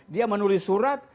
dia menulis surat